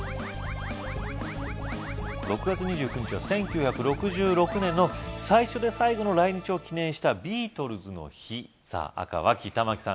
６月２９日は１９６６年の最初で最後の来日を記念したビートルズの日さぁ赤・脇たまきさん